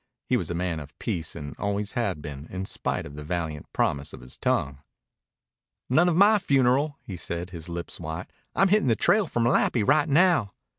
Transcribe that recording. He was a man of peace and always had been, in spite of the valiant promise of his tongue. "None of my funeral," he said, his lips white. "I'm hittin' the trail for Malapi right now."